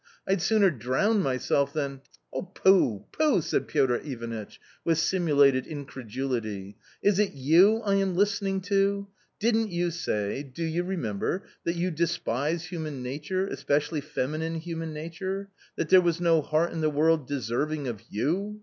I'd sooner drown myself than "" Pooh, pooh !" said Piotr Ivanitch, with simulated incre dulity ;" is it you I am listening to ? Didn't you say — do you remember ?— that you despise human nature, especially feminine human nature ; that there was no heart in the world deserving of you?